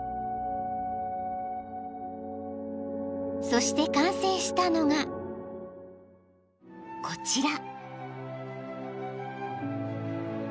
［そして完成したのがこちら］